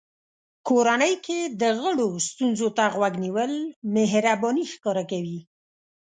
کورنۍ کې د غړو ستونزو ته غوږ نیول مهرباني ښکاره کوي.